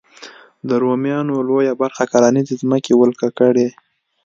د رومیانو لویه برخه کرنیزې ځمکې ولکه کړې.